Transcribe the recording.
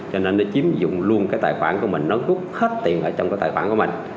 cho nên nó chiếm dụng luôn cái tài khoản của mình nó rút hết tiền ở trong cái tài khoản của mình